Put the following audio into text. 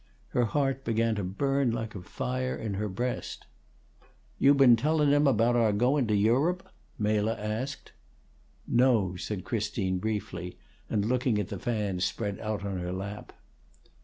Her heart began to burn like a fire in her breast. "You been tellun' him about our goun' to Europe?" Mela asked. "No," said Christine, briefly, and looking at the fan spread out on her lap.